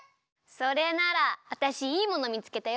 それならわたしいいものみつけたよ！